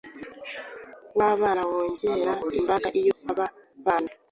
wabana wongera imbaraga Iyo aba bana